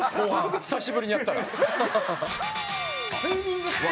久しぶりにやったら。